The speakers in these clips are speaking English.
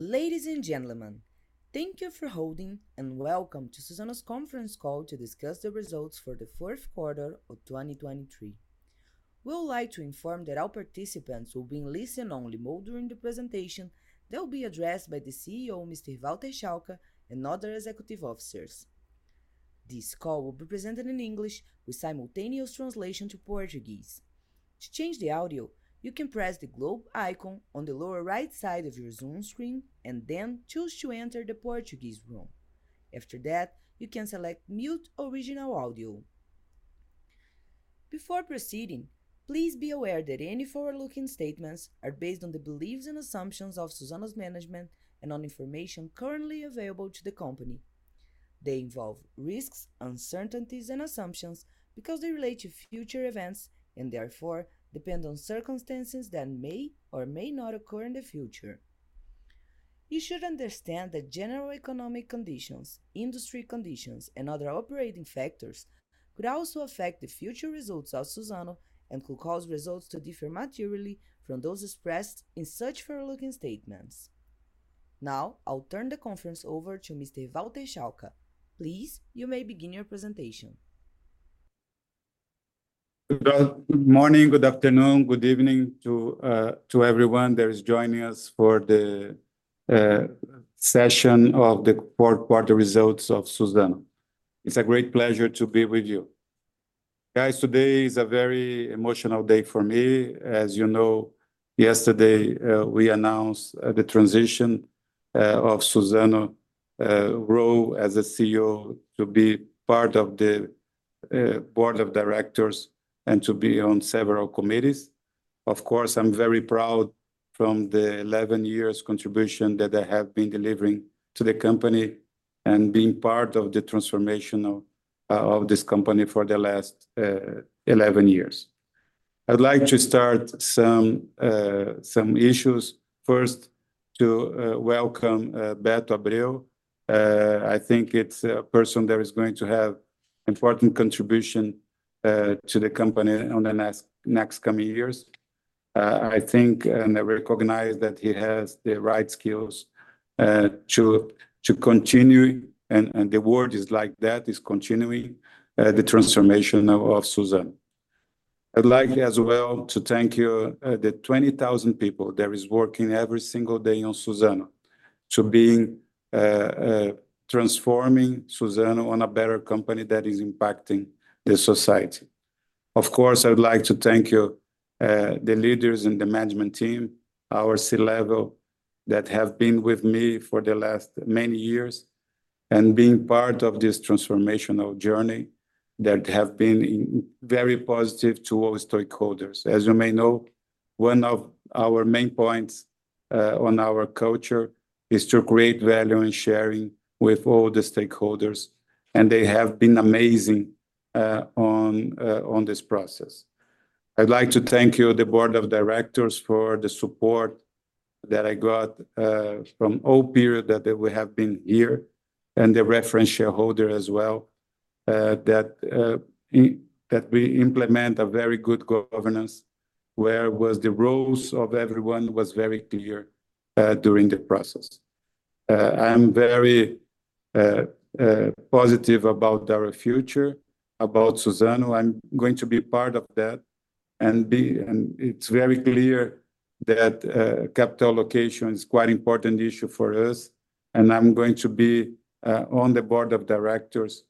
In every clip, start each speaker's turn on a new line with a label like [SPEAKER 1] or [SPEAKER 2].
[SPEAKER 1] Ladies and gentlemen, thank you for holding and welcome to Suzano's conference call to discuss the results for the fourth quarter of 2023. We would like to inform that our participants will be in listen-only mode during the presentation that will be addressed by the CEO, Mr. Walter Schalka, and other executive officers. This call will be presented in English with simultaneous translation to Portuguese. To change the audio, you can press the globe icon on the lower right side of your Zoom screen and then choose to enter the Portuguese room. After that, you can select Mute Original Audio. Before proceeding, please be aware that any forward-looking statements are based on the beliefs and assumptions of Suzano's management and on information currently available to the company. They involve risks, uncertainties, and assumptions because they relate to future events and therefore depend on circumstances that may or may not occur in the future. You should understand that general economic conditions, industry conditions, and other operating factors could also affect the future results of Suzano and could cause results to differ materially from those expressed in such forward-looking statements. Now I'll turn the conference over to Mr. Walter Schalka. Please, you may begin your presentation.
[SPEAKER 2] Good morning, good afternoon, good evening to everyone that is joining us for the session of the fourth quarter results of Suzano. It's a great pleasure to be with you. Guys, today is a very emotional day for me. As you know, yesterday we announced the transition of Suzano's role as a CEO to be part of the board of directors and to be on several committees. Of course, I'm very proud of the 11 years' contribution that I have been delivering to the company and being part of the transformation of this company for the last 11 years. I'd like to start some issues. First, to welcome Bertolucci. I think it's a person that is going to have an important contribution to the company in the next coming years. I think and I recognize that he has the right skills to continue, and the word is like that, is continuing the transformation of Suzano. I'd like as well to thank you, the 20,000 people that are working every single day on Suzano, to be transforming Suzano into a better company that is impacting society. Of course, I would like to thank you, the leaders and the management team, our C-level, that have been with me for the last many years and being part of this transformational journey that have been very positive towards stakeholders. As you may know, one of our main points on our culture is to create value and sharing with all the stakeholders, and they have been amazing on this process. I'd like to thank you, the board of directors, for the support that I got from all periods that we have been here and the reference shareholder as well that we implement a very good governance where the roles of everyone were very clear during the process. I'm very positive about our future, about Suzano. I'm going to be part of that. It's very clear that capital allocation is quite an important issue for us, and I'm going to be on the board of directors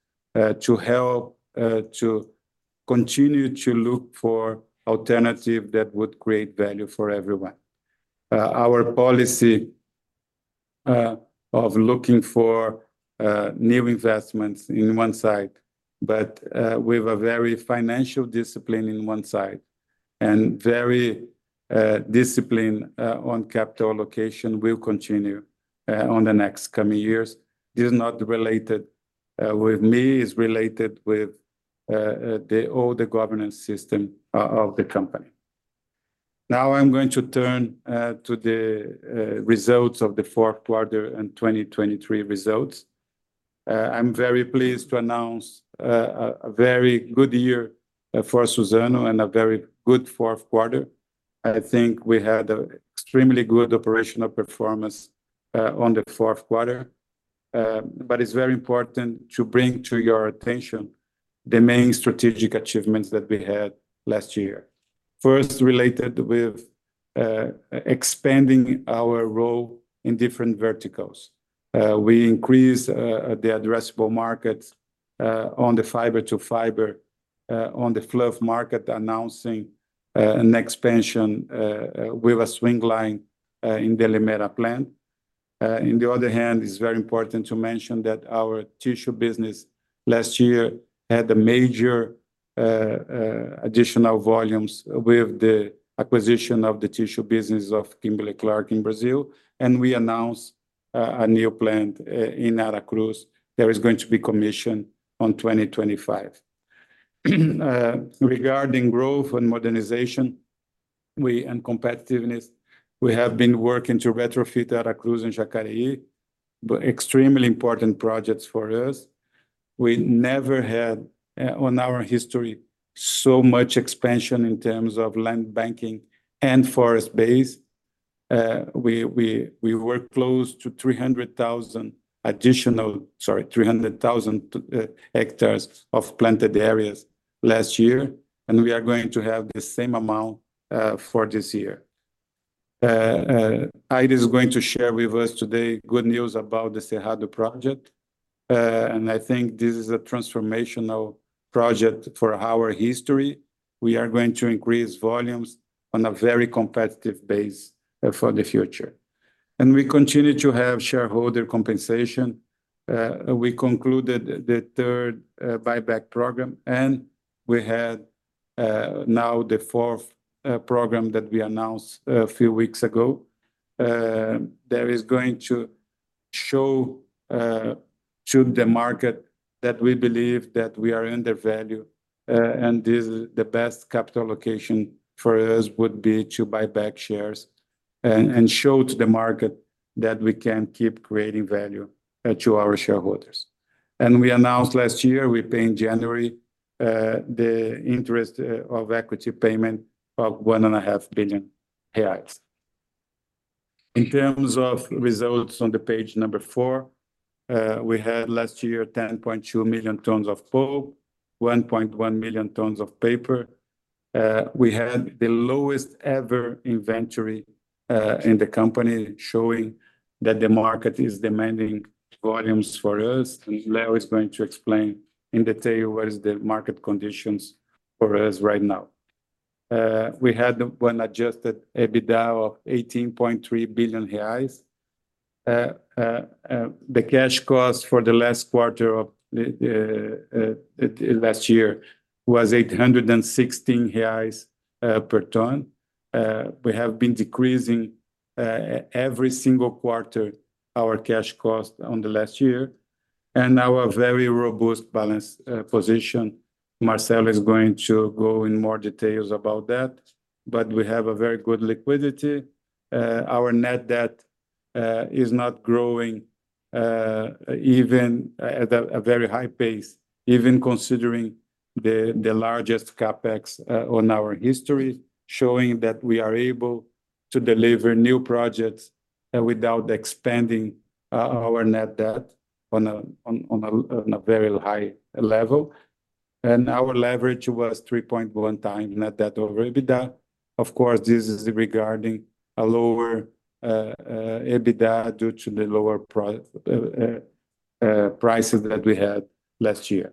[SPEAKER 2] to help to continue to look for alternatives that would create value for everyone. Our policy of looking for new investments on one side, but with a very financial discipline on one side and very discipline on capital allocation, will continue in the next coming years. This is not related with me, it's related with all the governance system of the company. Now I'm going to turn to the results of the fourth quarter and 2023 results. I'm very pleased to announce a very good year for Suzano and a very good fourth quarter. I think we had an extremely good operational performance in the fourth quarter. But it's very important to bring to your attention the main strategic achievements that we had last year. First, related with expanding our role in different verticals. We increased the addressable markets on the fiber-to-fiber, on the fluff market, announcing an expansion with a swing line in the Aracruz plant. On the other hand, it's very important to mention that our tissue business last year had major additional volumes with the acquisition of the tissue business of Kimberly-Clark in Brazil, and we announced a new plant in Aracruz that is going to be commissioned in 2025. Regarding growth and modernization and competitiveness, we have been working to retrofit Aracruz and Jacareí. Extremely important projects for us. We never had in our history so much expansion in terms of land banking and forest base. We were close to 300,000 additional, sorry, 300,000 hectares of planted areas last year, and we are going to have the same amount for this year. Iris is going to share with us today good news about the Cerrado Project. I think this is a transformational project for our history. We are going to increase volumes on a very competitive base for the future. We continue to have shareholder compensation. We concluded the third buyback program, and we had now the fourth program that we announced a few weeks ago. That is going to show to the market that we believe that we are undervalued, and this is the best capital allocation for us would be to buy back shares and show to the market that we can keep creating value to our shareholders. We announced last year, we paid in January, the interest on equity payment of 1.5 billion reais. In terms of results on page number 4, we had last year 10.2 million tons of pulp, 1.1 million tons of paper. We had the lowest ever inventory in the company showing that the market is demanding volumes for us, and Leo is going to explain in detail what the market conditions are for us right now. We had one adjusted EBITDA of 18.3 billion reais. The cash cost for the last quarter of last year was 816 reais per ton. We have been decreasing every single quarter our cash cost in the last year. Our very robust balance position, Marcelo is going to go into more details about that. But we have very good liquidity. Our net debt is not growing even at a very high pace, even considering the largest CapEx in our history, showing that we are able to deliver new projects without expanding our net debt on a very high level. Our leverage was 3.1x debt over EBITDA. Of course, this is regarding a lower EBITDA due to the lower prices that we had last year.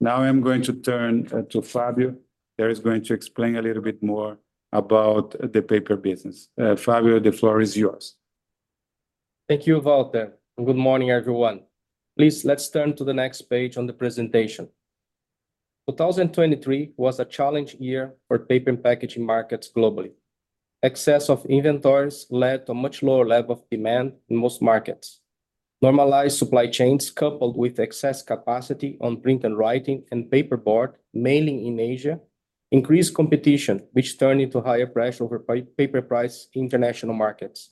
[SPEAKER 2] Now I'm going to turn to Fabio that is going to explain a little bit more about the paper business. Fabio, the floor is yours.
[SPEAKER 3] Thank you, Walter. Good morning, everyone. Please, let's turn to the next page on the presentation. 2023 was a challenging year for paper and packaging markets globally. Excess of inventories led to a much lower level of demand in most markets. Normalized supply chains coupled with excess capacity on print and writing and paperboard mainly in Asia increased competition, which turned into higher pressure over paper prices in international markets.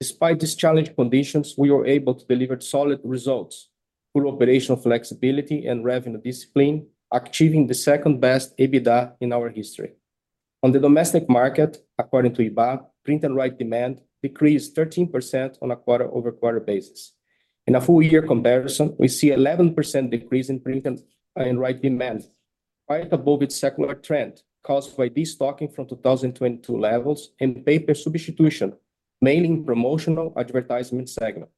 [SPEAKER 3] Despite these challenging conditions, we were able to deliver solid results through operational flexibility and revenue discipline, achieving the second best EBITDA in our history. On the domestic market, according to IBA, print and write demand decreased 13% on a quarter-over-quarter basis. In a full-year comparison, we see an 11% decrease in print and write demand, quite above its secular trend caused by destocking from 2022 levels and paper substitution, mainly in the promotional advertisement segment.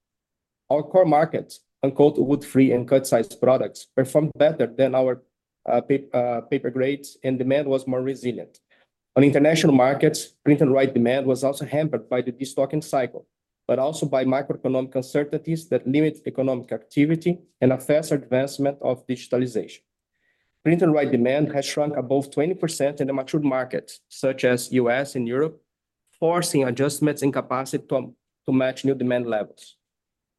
[SPEAKER 3] Our core markets, quote-unquote “wood-free” and cut-sized products, performed better than our paper grades, and demand was more resilient. On international markets, print and write demand was also hampered by the destocking cycle, but also by macroeconomic uncertainties that limit economic activity and affect the advancement of digitalization. Print and write demand has shrunk above 20% in the mature markets, such as the U.S. and Europe, forcing adjustments in capacity to match new demand levels.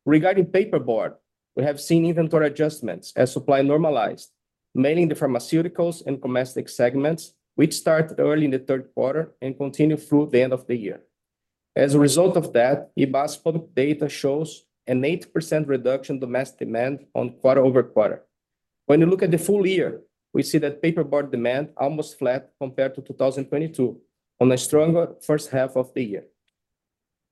[SPEAKER 3] Regarding paperboard, we have seen inventory adjustments as supply normalized, mainly in the pharmaceuticals and domestic segments, which started early in the third quarter and continued through the end of the year. As a result of that, IBA's public data shows an 8% reduction in domestic demand on quarter-over-quarter. When you look at the full year, we see that paperboard demand is almost flat compared to 2022 in the stronger first half of the year.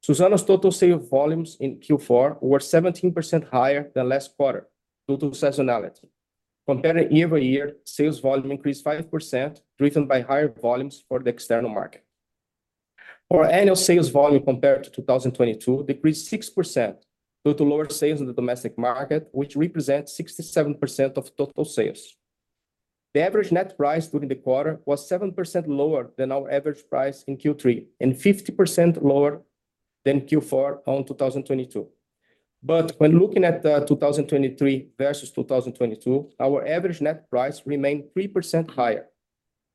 [SPEAKER 3] Suzano's total sales volumes in Q4 were 17% higher than last quarter due to seasonality. Compared year-over-year, sales volume increased 5%, driven by higher volumes for the external market. Our annual sales volume compared to 2022 decreased 6% due to lower sales in the domestic market, which represents 67% of total sales. The average net price during the quarter was 7% lower than our average price in Q3 and 50% lower than Q4 in 2022. But when looking at 2023 versus 2022, our average net price remained 3% higher.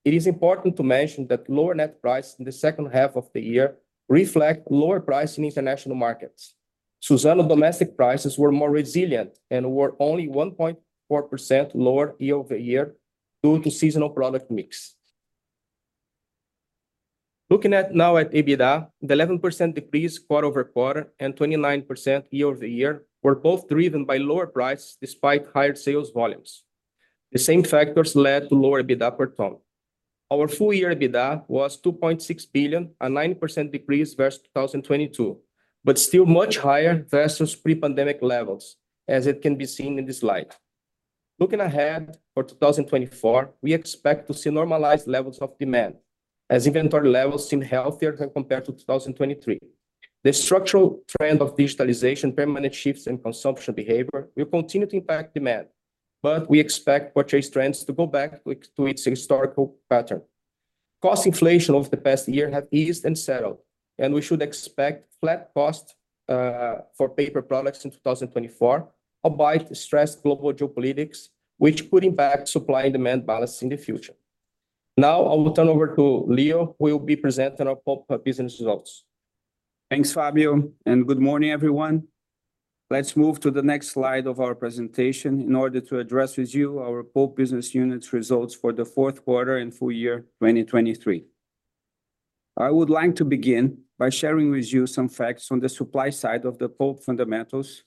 [SPEAKER 3] It is important to mention that lower net prices in the second half of the year reflect lower prices in international markets. Suzano domestic prices were more resilient and were only 1.4% lower year-over-year due to seasonal product mix. Looking now at EBITDA, the 11% decrease quarter-over-quarter and 29% year-over-year were both driven by lower prices despite higher sales volumes. The same factors led to lower EBITDA per ton. Our full-year EBITDA was 2.6 billion, a 9% decrease versus 2022, but still much higher versus pre-pandemic levels, as it can be seen in this slide. Looking ahead for 2024, we expect to see normalized levels of demand, as inventory levels seem healthier than compared to 2023. The structural trend of digitalization, permanent shifts, and consumption behavior will continue to impact demand, but we expect purchase trends to go back to its historical pattern. Cost inflation over the past year has eased and settled, and we should expect flat costs for paper products in 2024, albeit stressed global geopolitics, which could impact supply and demand balance in the future. Now I will turn over to Leo, who will be presenting our pulp business results.
[SPEAKER 4] Thanks, Fabio, and good morning, everyone. Let's move to the next slide of our presentation in order to address with you our pulp business unit's results for the fourth quarter and full year 2023. I would like to begin by sharing with you some facts on the supply side of the pulp fundamentals.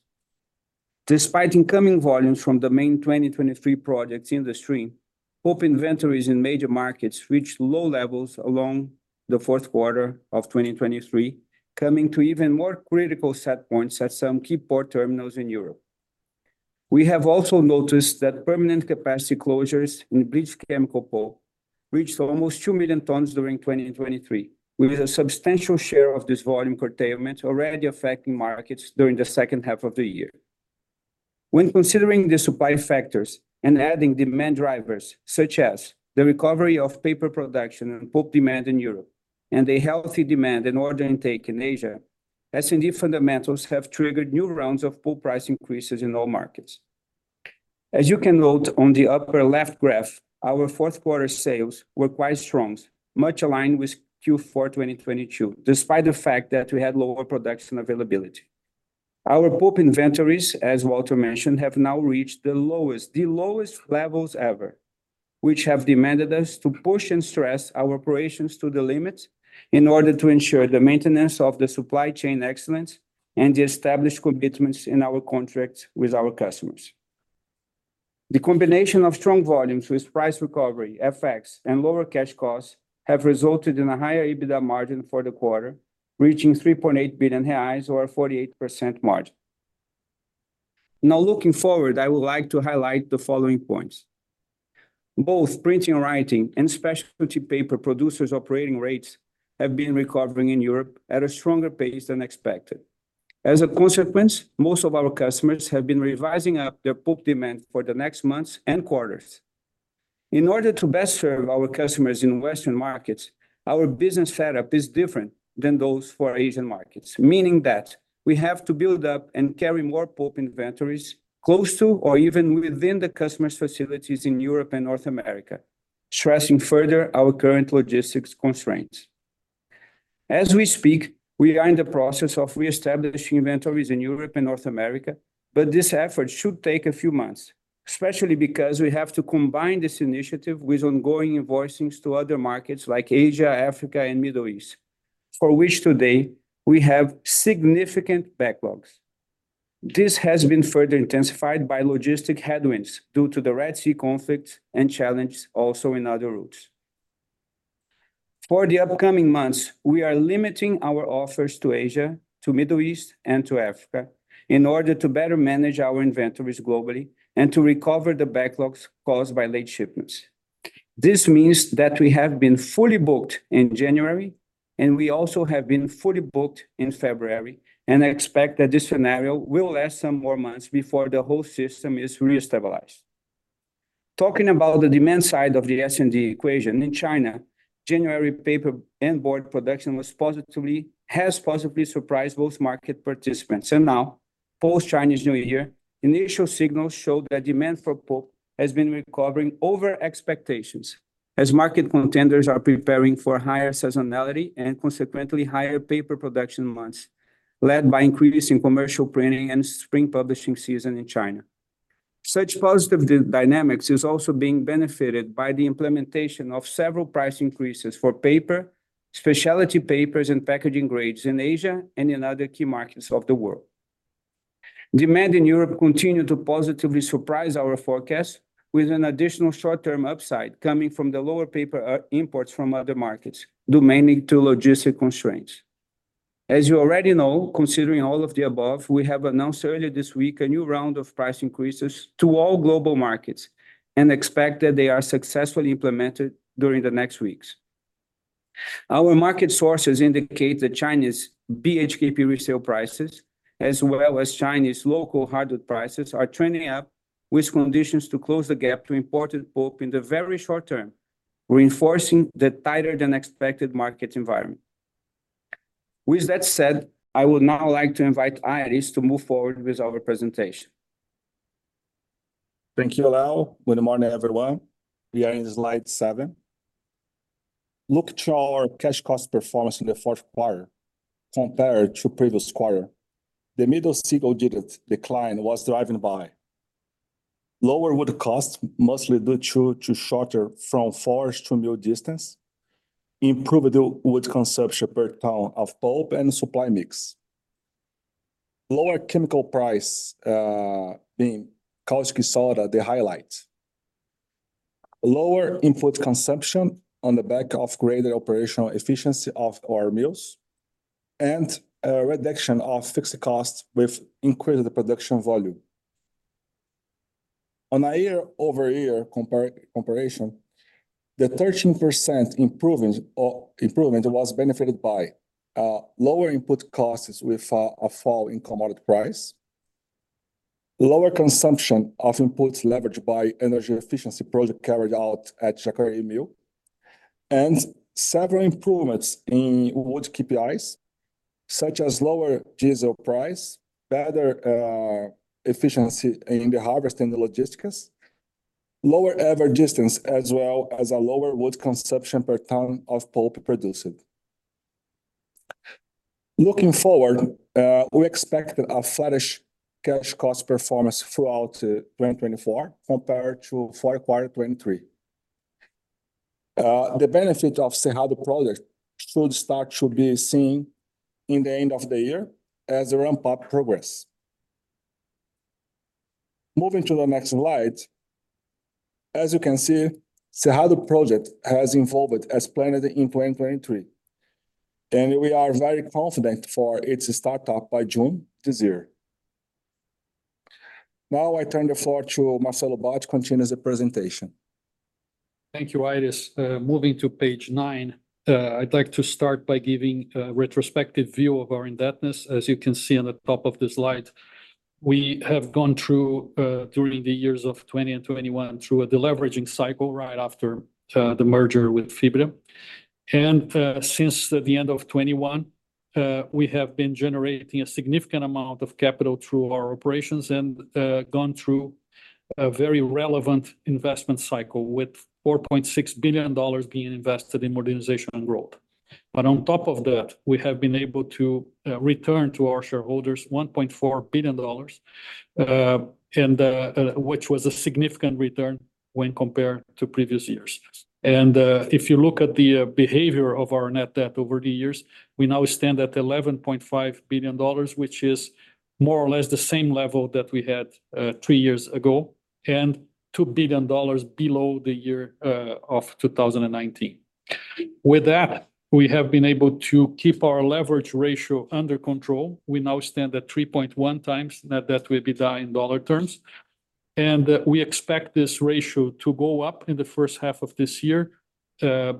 [SPEAKER 4] Despite incoming volumes from the main 2023 projects in the stream, pulp inventories in major markets reached low levels along the Fourth Quarter of 2023, coming to even more critical set points at some key port terminals in Europe. We have also noticed that permanent capacity closures in bleached chemical pulp reached almost 2 million tons during 2023, with a substantial share of this volume curtailment already affecting markets during the second half of the year. When considering the supply factors and adding demand drivers such as the recovery of paper production and pulp demand in Europe and the healthy demand and order intake in Asia, S&D fundamentals have triggered new rounds of pulp price increases in all markets. As you can note on the upper left graph, our fourth quarter sales were quite strong, much aligned with Q4 2022, despite the fact that we had lower production availability. Our pulp inventories, as Walter mentioned, have now reached the lowest levels ever, which have demanded us to push and stress our operations to the limits in order to ensure the maintenance of the supply chain excellence and the established commitments in our contracts with our customers. The combination of strong volumes with price recovery, FX, and lower cash costs has resulted in a higher EBITDA margin for the quarter, reaching 3.8 billion reais, or a 48% margin. Now, looking forward, I would like to highlight the following points. Both printing and writing and specialty paper producers' operating rates have been recovering in Europe at a stronger pace than expected. As a consequence, most of our customers have been revising up their pulp demand for the next months and quarters. In order to best serve our customers in Western markets, our business setup is different than those for Asian markets, meaning that we have to build up and carry more pulp inventories close to or even within the customer's facilities in Europe and North America, stressing further our current logistics constraints. As we speak, we are in the process of reestablishing inventories in Europe and North America, but this effort should take a few months, especially because we have to combine this initiative with ongoing invoicings to other markets like Asia, Africa, and Middle East, for which today we have significant backlogs. This has been further intensified by logistic headwinds due to the Red Sea conflict and challenges also in other routes. For the upcoming months, we are limiting our offers to Asia, to Middle East, and to Africa in order to better manage our inventories globally and to recover the backlogs caused by late shipments. This means that we have been fully booked in January, and we also have been fully booked in February, and expect that this scenario will last some more months before the whole system is restabilized. Talking about the demand side of the S&D equation, in China, January paper and board production has positively surprised both market participants, and now, post-Chinese New Year, initial signals show that demand for pulp has been recovering over expectations as market contenders are preparing for higher seasonality and consequently higher paper production months, led by increasing commercial printing and spring publishing season in China. Such positive dynamics are also being benefited by the implementation of several price increases for paper, specialty papers, and packaging grades in Asia and in other key markets of the world. Demand in Europe continues to positively surprise our forecasts, with an additional short-term upside coming from the lower paper imports from other markets, due mainly to logistic constraints. As you already know, considering all of the above, we have announced earlier this week a new round of price increases to all global markets and expect that they are successfully implemented during the next weeks. Our market sources indicate that Chinese BHKP resale prices, as well as Chinese local hardwood prices, are trending up, with conditions to close the gap to imported pulp in the very short term, reinforcing the tighter-than-expected market environment. With that said, I would now like to invite Iris to move forward with our presentation.
[SPEAKER 5] Thank you, Leo. Good morning, everyone. We are in slide seven. Looking at our cash cost performance in the fourth quarter compared to the previous quarter, the mid-single digit decline was driven by lower wood costs, mostly due to shorter forest to mill distance, improved wood consumption per ton of pulp and supply mix, lower chemical prices, being caustic soda the highlight, lower input consumption on the back of greater operational efficiency of our mills, and a reduction of fixed costs with increased production volume. On a year-over-year comparison, the 13% improvement was benefited by lower input costs with a fall in commodity price, lower consumption of inputs leveraged by energy efficiency projects carried out at Jacareí mill, and several improvements in wood KPIs, such as lower diesel price, better efficiency in the harvest and the logistics, lower average distance, as well as a lower wood consumption per ton of pulp produced. Looking forward, we expect a flattish cash cost performance throughout 2024 compared to fourth quarter 2023. The benefit of the Cerrado Project should start to be seen in the end of the year as a ramp-up progress. Moving to the next slide, as you can see, the Cerrado Project has evolved as planned in 2023, and we are very confident for its startup by June this year. Now I turn the floor to Marcelo Bacci to continue the presentation.
[SPEAKER 6] Thank you, Iris. Moving to page 9, I'd like to start by giving a retrospective view of our indebtedness. As you can see on the top of the slide, we have gone through during the years of 2021 through a deleveraging cycle right after the merger with Fibria. And since the end of 2021, we have been generating a significant amount of capital through our operations and gone through a very relevant investment cycle, with $4.6 billion being invested in modernization and growth. But on top of that, we have been able to return to our shareholders $1.4 billion, which was a significant return when compared to previous years. If you look at the behavior of our net debt over the years, we now stand at $11.5 billion, which is more or less the same level that we had three years ago and $2 billion below the year of 2019. With that, we have been able to keep our leverage ratio under control. We now stand at 3.1x net debt to EBITDA in dollar terms. We expect this ratio to go up in the first half of this year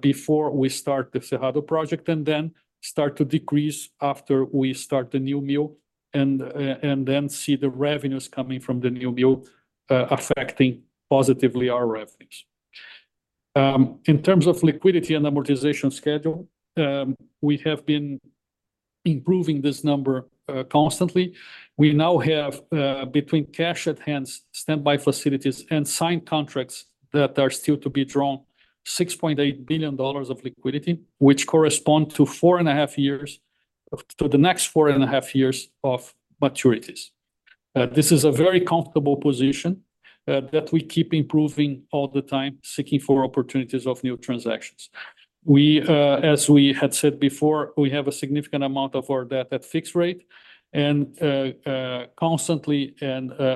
[SPEAKER 6] before we start the Cerrado project and then start to decrease after we start the new mill and then see the revenues coming from the new mill affecting positively our revenues. In terms of liquidity and amortization schedule, we have been improving this number constantly. We now have, between cash at hand, standby facilities, and signed contracts that are still to be drawn, $6.8 billion of liquidity, which corresponds to four and a half years to the next four and a half years of maturities. This is a very comfortable position that we keep improving all the time, seeking for opportunities of new transactions. As we had said before, we have a significant amount of our debt at fixed rate, and constantly,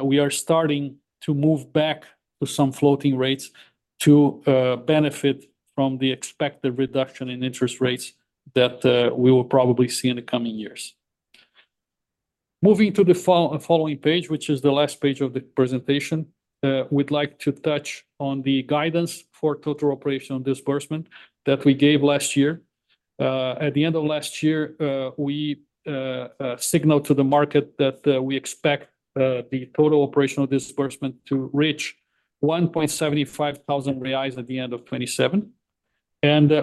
[SPEAKER 6] we are starting to move back to some floating rates to benefit from the expected reduction in interest rates that we will probably see in the coming years. Moving to the following page, which is the last page of the presentation, we'd like to touch on the guidance for total operational disbursement that we gave last year. At the end of last year, we signaled to the market that we expect the total operational disbursement to reach $1,750 at the end of 2027.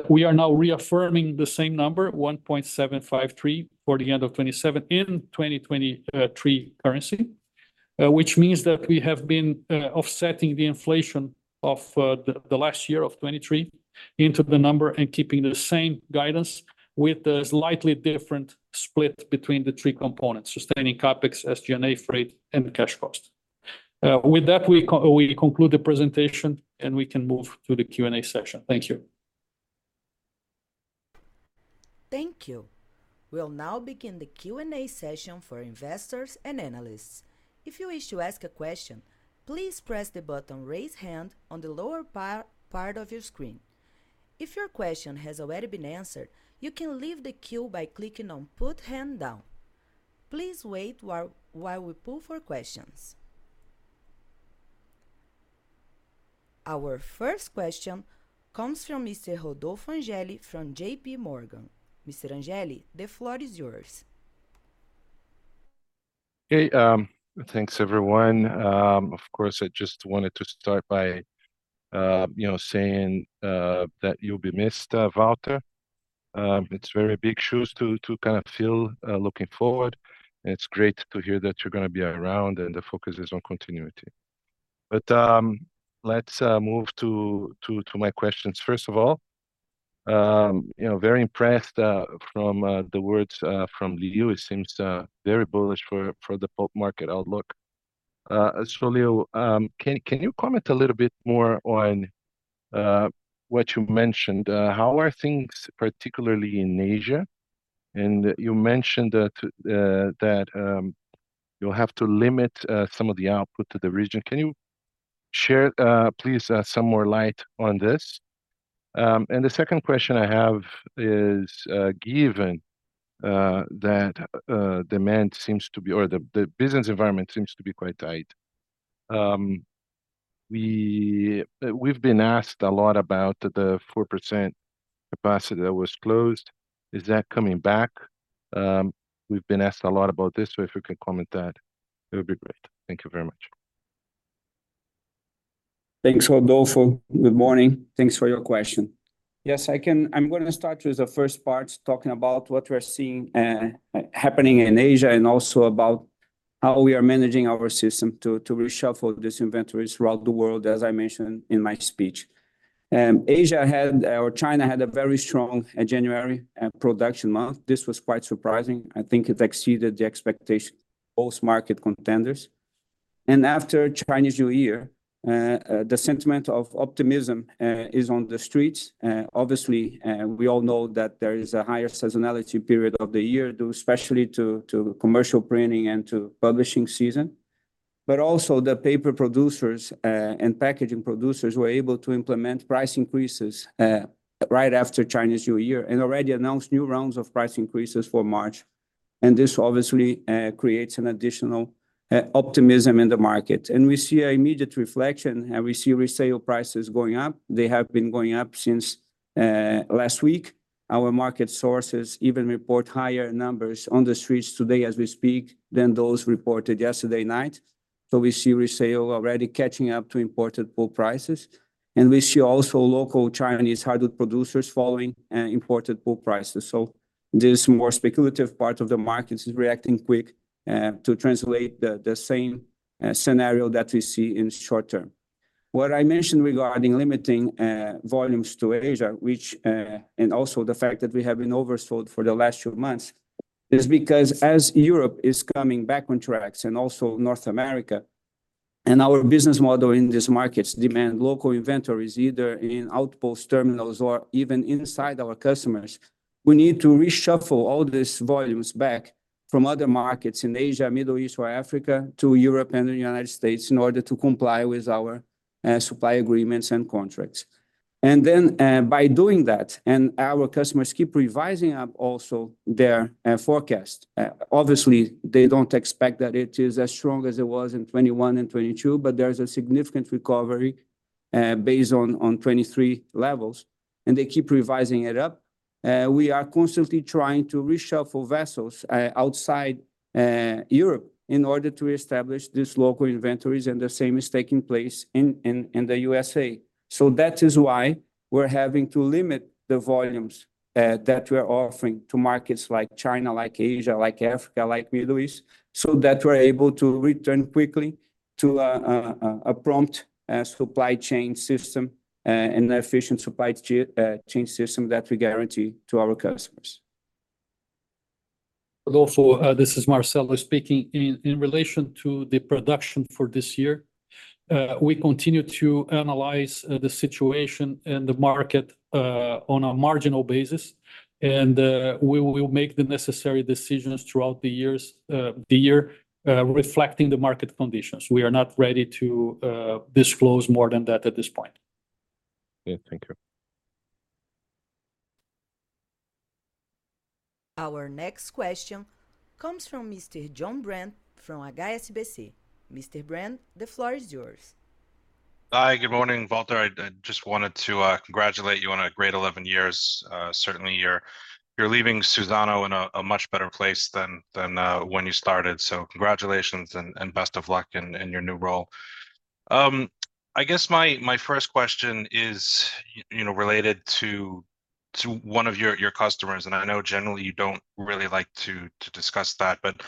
[SPEAKER 6] We are now reaffirming the same number, $1,753, for the end of 2027 in 2023 currency, which means that we have been offsetting the inflation of the last year of 2023 into the number and keeping the same guidance with a slightly different split between the three components: sustaining CapEx, SG&A freight, and cash cost. With that, we conclude the presentation, and we can move to the Q&A session. Thank you.
[SPEAKER 1] Thank you. We'll now begin the Q&A session for investors and analysts. If you wish to ask a question, please press the button "Raise Hand" on the lower part of your screen. If your question has already been answered, you can leave the queue by clicking on "Put Hand Down." Please wait while we pull for questions. Our first question comes from Mr. Rodolfo Angeli from JP Morgan. Mr. Angeli, the floor is yours.
[SPEAKER 7] Okay, thanks, everyone. Of course, I just wanted to start by saying that you'll be missed, Walter. It's very big shoes to fill looking forward, and it's great to hear that you're going to be around and the focus is on continuity. But let's move to my questions. First of all, very impressed by the words from Leo. It seems very bullish for the pulp market outlook. So, Leo, can you comment a little bit more on what you mentioned? How are things, particularly in Asia? And you mentioned that you'll have to limit some of the output to the region. Can you shed, please, some more light on this? And the second question I have is given that demand seems to be, or the business environment seems to be quite tight. We've been asked a lot about the 4% capacity that was closed. Is that coming back? We've been asked a lot about this, so if you can comment that, it would be great. Thank you very much.
[SPEAKER 4] Thanks, Rodolfo. Good morning. Thanks for your question. Yes, I'm going to start with the first part, talking about what we are seeing happening in Asia and also about how we are managing our system to reshuffle these inventories throughout the world, as I mentioned in my speech. Asia had, or China had, a very strong January production month. This was quite surprising. I think it exceeded the expectations of both market contenders. After Chinese New Year, the sentiment of optimism is on the streets. Obviously, we all know that there is a higher seasonality period of the year, especially to commercial printing and to publishing season. But also, the paper producers and packaging producers were able to implement price increases right after Chinese New Year and already announced new rounds of price increases for March. This obviously creates an additional optimism in the market. We see an immediate reflection, and we see resale prices going up. They have been going up since last week. Our market sources even report higher numbers on the streets today as we speak than those reported yesterday night. We see resale already catching up to imported pulp prices. We see also local Chinese hardwood producers following imported pulp prices. This more speculative part of the markets is reacting quick to translate the same scenario that we see in the short term. What I mentioned regarding limiting volumes to Asia, and also the fact that we have been oversold for the last few months, is because as Europe is coming back on tracks and also North America and our business model in these markets demand local inventories either in outpost terminals or even inside our customers, we need to reshuffle all these volumes back from other markets in Asia, Middle East, or Africa to Europe and the United States in order to comply with our supply agreements and contracts. Then by doing that, our customers keep revising up also their forecast. Obviously, they don't expect that it is as strong as it was in 2021 and 2022, but there's a significant recovery based on 2023 levels, and they keep revising it up. We are constantly trying to reshuffle vessels outside Europe in order to establish these local inventories, and the same is taking place in the USA. So that is why we're having to limit the volumes that we are offering to markets like China, like Asia, like Africa, like Middle East, so that we're able to return quickly to a prompt supply chain system and an efficient supply chain system that we guarantee to our customers.
[SPEAKER 6] Rodolfo, this is Marcelo speaking. In relation to the production for this year, we continue to analyze the situation and the market on a marginal basis, and we will make the necessary decisions throughout the year reflecting the market conditions. We are not ready to disclose more than that at this point.
[SPEAKER 7] Yeah, thank you.
[SPEAKER 1] Our next question comes from Mr. John Brand from HSBC. Mr. Brand, the floor is yours.
[SPEAKER 8] Hi, good morning, Walter. I just wanted to congratulate you on a great 11 years. Certainly, you're leaving Suzano in a much better place than when you started. So congratulations and best of luck in your new role. I guess my first question is related to one of your customers, and I know generally you don't really like to discuss that, but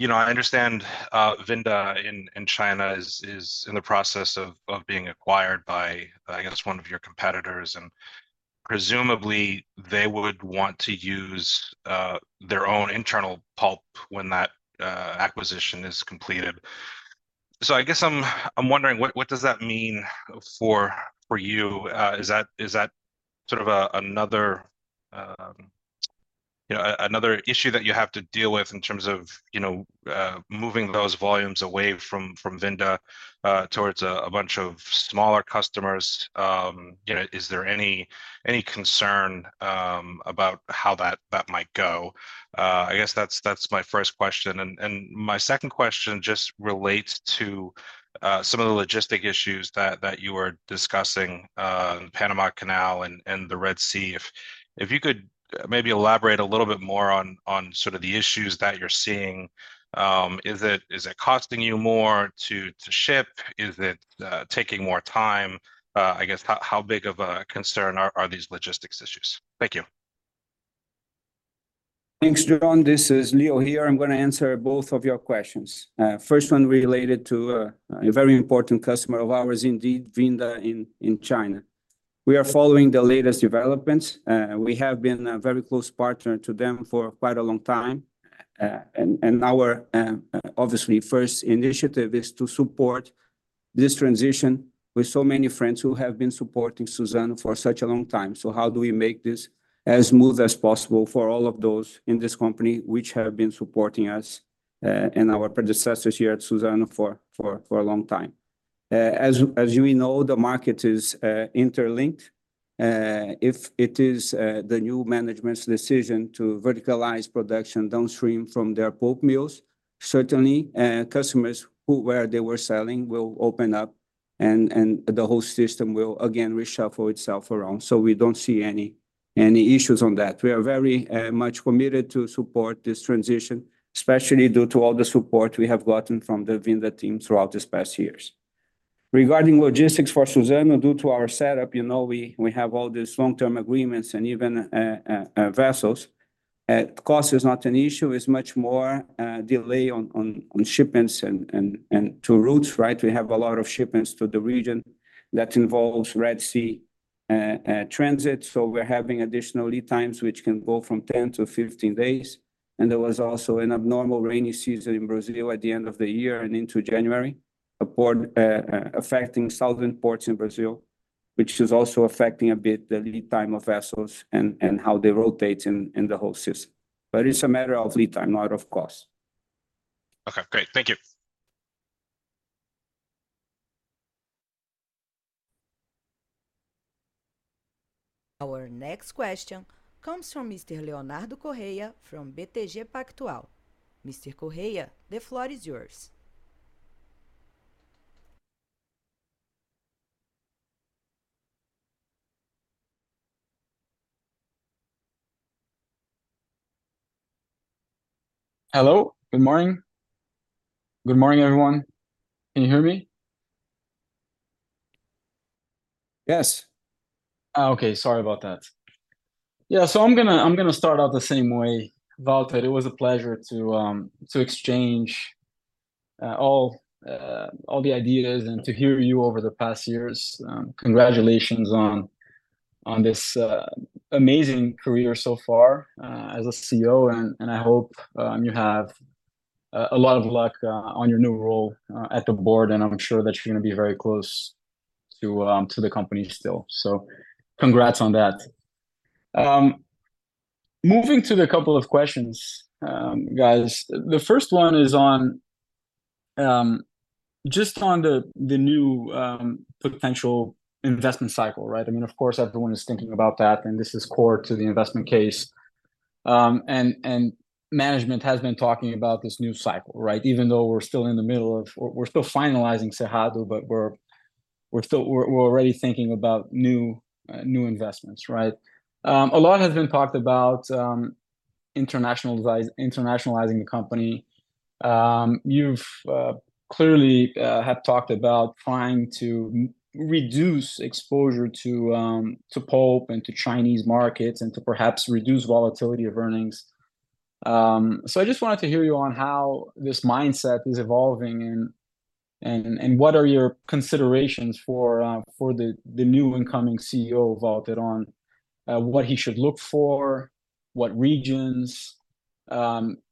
[SPEAKER 8] I understand Vinda in China is in the process of being acquired by, I guess, one of your competitors, and presumably they would want to use their own internal pulp when that acquisition is completed. So I guess I'm wondering, what does that mean for you? Is that sort of another issue that you have to deal with in terms of moving those volumes away from Vinda towards a bunch of smaller customers? Is there any concern about how that might go? I guess that's my first question. My second question just relates to some of the logistic issues that you were discussing, Panama Canal and the Red Sea. If you could maybe elaborate a little bit more on sort of the issues that you're seeing. Is it costing you more to ship? Is it taking more time? I guess, how big of a concern are these logistics issues? Thank you.
[SPEAKER 4] Thanks, John. This is Leo here. I'm going to answer both of your questions. First one related to a very important customer of ours, indeed, Vinda in China. We are following the latest developments. We have been a very close partner to them for quite a long time. And our, obviously, first initiative is to support this transition with so many friends who have been supporting Suzano for such a long time. So how do we make this as smooth as possible for all of those in this company which have been supporting us and our predecessors here at Suzano for a long time? As you know, the market is interlinked. If it is the new management's decision to verticalize production downstream from their pulp mills, certainly customers where they were selling will open up, and the whole system will again reshuffle itself around. So we don't see any issues on that. We are very much committed to support this transition, especially due to all the support we have gotten from the Vinda team throughout these past years. Regarding logistics for Suzano, due to our setup, you know we have all these long-term agreements and even vessels. Cost is not an issue. It's much more delay on shipments and to routes, right? We have a lot of shipments to the region that involves Red Sea transit. So we're having additional lead times which can go from 10-15 days. And there was also an abnormal rainy season in Brazil at the end of the year and into January, affecting southern ports in Brazil, which is also affecting a bit the lead time of vessels and how they rotate in the whole system. But it's a matter of lead time, not of cost. Okay, great. Thank you.
[SPEAKER 1] Our next question comes from Mr. Leonardo Correia from BTG Pactual. Mr. Correia, the floor is yours.
[SPEAKER 9] Hello, good morning. Good morning, everyone. Can you hear me?
[SPEAKER 4] Yes.
[SPEAKER 9] Okay, sorry about that. Yeah, so I'm going to start out the same way. Walter, it was a pleasure to exchange all the ideas and to hear you over the past years. Congratulations on this amazing career so far as a CEO, and I hope you have a lot of luck on your new role at the board, and I'm sure that you're going to be very close to the company still. So congrats on that. Moving to the couple of questions, guys, the first one is just on the new potential investment cycle, right? I mean, of course, everyone is thinking about that, and this is core to the investment case. Management has been talking about this new cycle, right? Even though we're still in the middle of finalizing Cerrado, but we're already thinking about new investments, right? A lot has been talked about internationalizing the company. You've clearly talked about trying to reduce exposure to pulp and to Chinese markets and to perhaps reduce volatility of earnings. So I just wanted to hear you on how this mindset is evolving and what are your considerations for the new incoming CEO, Walter, on what he should look for, what regions.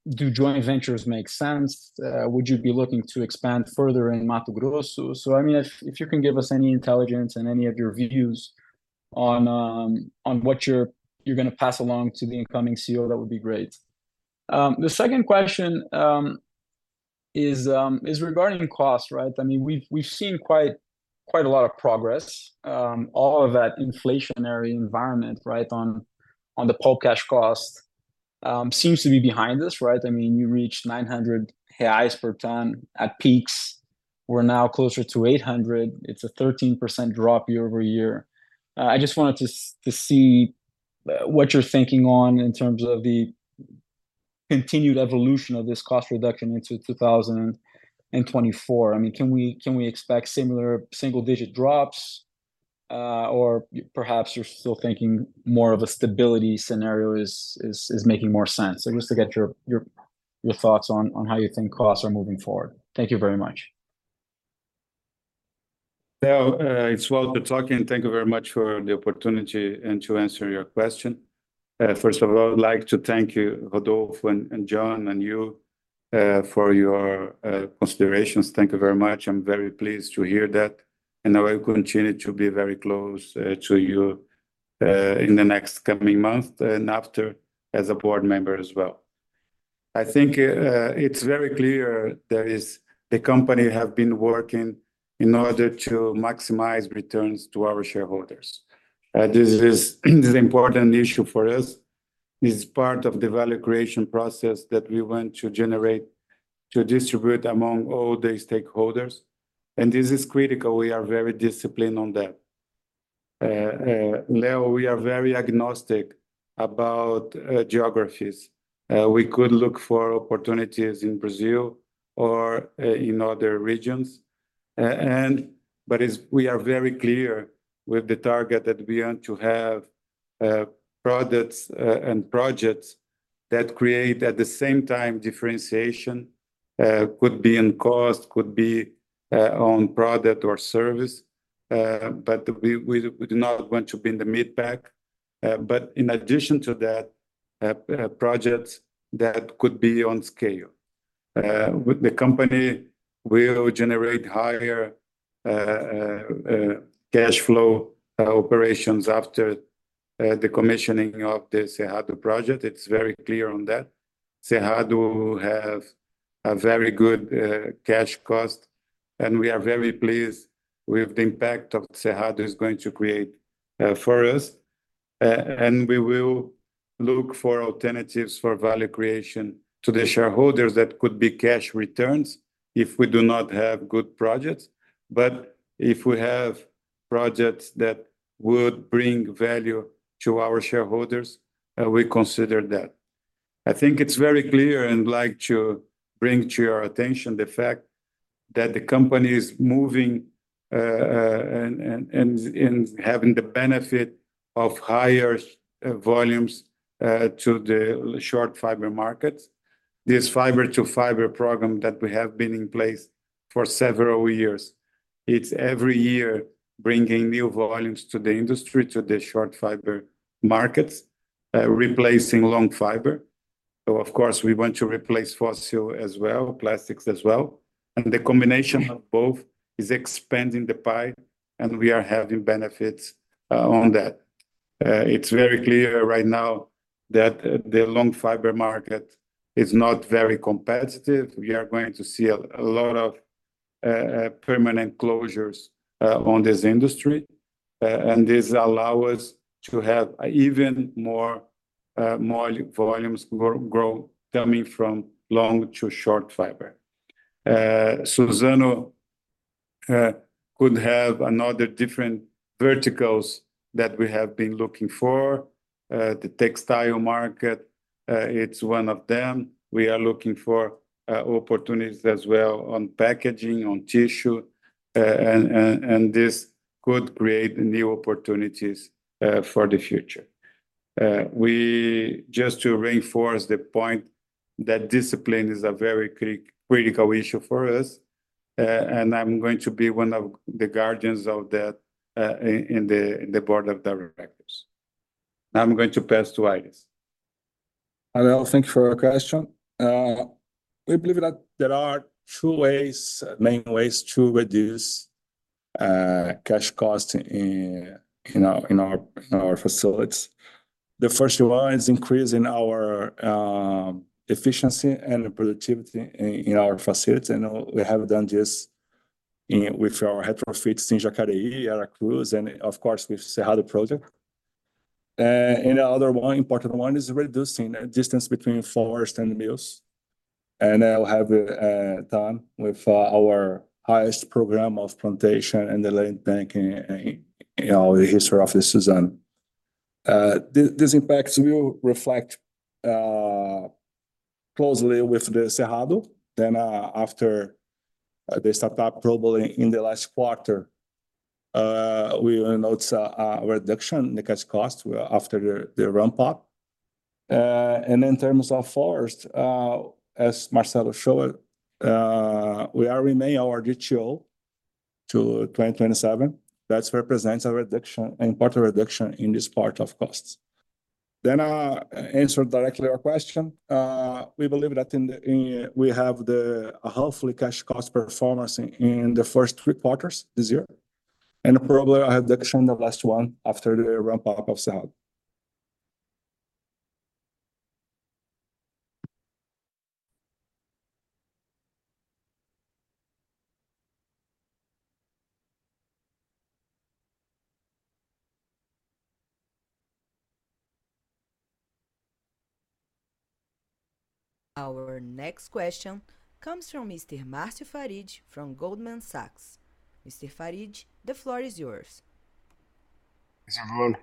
[SPEAKER 9] Do joint ventures make sense? Would you be looking to expand further in Mato Grosso? So, I mean, if you can give us any intelligence and any of your views on what you're going to pass along to the incoming CEO, that would be great. The second question is regarding cost, right? I mean, we've seen quite a lot of progress. All of that inflationary environment, right, on the pulp cash cost seems to be behind us, right? I mean, you reached 900 reais per ton at peaks. We're now closer to 800. It's a 13% drop year over year. I just wanted to see what you're thinking on in terms of the continued evolution of this cost reduction into 2024. I mean, can we expect similar single-digit drops, or perhaps you're still thinking more of a stability scenario is making more sense? So just to get your thoughts on how you think costs are moving forward. Thank you very much.
[SPEAKER 4] Now, it's Walter talking. Thank you very much for the opportunity and to answer your question. First of all, I'd like to thank you, Rodolfo and John and you, for your considerations. Thank you very much. I'm very pleased to hear that. And I will continue to be very close to you in the next coming months and after as a board member as well. I think it's very clear that the company has been working in order to maximize returns to our shareholders. This is an important issue for us. It's part of the value creation process that we want to generate to distribute among all the stakeholders. And this is critical. We are very disciplined on that. Leo, we are very agnostic about geographies. We could look for opportunities in Brazil or in other regions. But we are very clear with the target that we want to have products and projects that create, at the same time, differentiation. Could be in cost, could be on product or service. But we do not want to be in the midpack. But in addition to that, projects that could be on scale. The company will generate higher cash flow operations after the commissioning of the Cerrado Project. It's very clear on that. Cerrado has a very good cash cost. And we are very pleased with the impact that Cerrado is going to create for us. And we will look for alternatives for value creation to the shareholders that could be cash returns if we do not have good projects. But if we have projects that would bring value to our shareholders, we consider that. I think it's very clear and like to bring to your attention the fact that the company is moving and having the benefit of higher volumes to the short fiber markets. This fiber-to-fiber program that we have been in place for several years, it's every year bringing new volumes to the industry, to the short fiber markets, replacing long fiber. Of course, we want to replace fossil as well, plastics as well. And the combination of both is expanding the pie, and we are having benefits on that. It's very clear right now that the long fiber market is not very competitive. We are going to see a lot of permanent closures on this industry. And this allows us to have even more volumes grow coming from long to short fiber. Suzano could have another different verticals that we have been looking for. The textile market, it's one of them. We are looking for opportunities as well on packaging, on tissue. And this could create new opportunities for the future. Just to reinforce the point that discipline is a very critical issue for us. And I'm going to be one of the guardians of that in the board of directors. Now I'm going to pass to Iris. Hello, thank you for your question. We believe that there are two ways, main ways to reduce cash cost in our facilities. The first one is increasing our efficiency and productivity in our facilities. And we have done this with our retrofits in Jacareí, Aracruz, and of course, with Cerrado Project. And the other one, important one, is reducing the distance between forest and mills. And I'll have a time with our highest program of plantation and the land banking in all the history of the Suzano. These impacts will reflect closely with the Cerrado than after they started up probably in the last quarter. We will note a reduction in the cash cost after the ramp-up. In terms of forest, as Marcelo showed, we are remaining our DTO to 2027. That represents a reduction, an important reduction in this part of costs. Then I answer directly your question. We believe that we have a healthy cash cost performance in the first three quarters this year. Probably a reduction in the last one after the ramp-up of Cerrado.
[SPEAKER 1] Our next question comes from Mr. Márcio Farid from Goldman Sachs. Mr. Farid, the floor is yours.